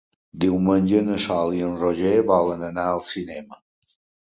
Diumenge na Sol i en Roger volen anar al cinema.